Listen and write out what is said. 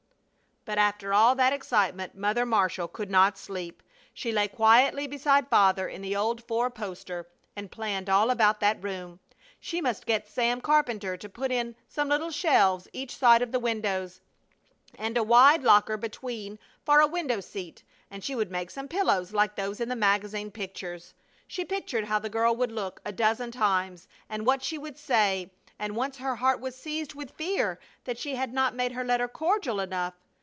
But after all that excitement Mother Marshall could not sleep. She lay quietly beside Father in the old four poster and planned all about that room. She must get Sam Carpenter to put in some little shelves each side of the windows, and a wide locker between for a window seat, and she would make some pillows like those in the magazine pictures. She pictured how the girl would look, a dozen times, and what she would say, and once her heart was seized with fear that she had not made her letter cordial enough.